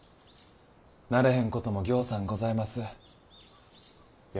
慣れへんこともぎょうさんございます。